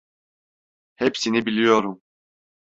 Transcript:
Hepsini biliyorum.